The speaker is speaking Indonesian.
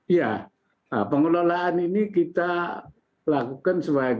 ya pengelolaan ini kita lakukan secara berkualitas